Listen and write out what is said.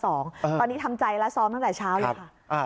ตอนนี้ทำใจแล้วซ้อมตั้งแต่เช้าเลยค่ะ